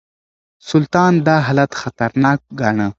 سلطان دا حالت خطرناک ګاڼه.